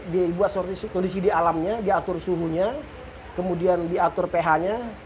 dibuat kondisi di alamnya diatur suhunya kemudian diatur ph nya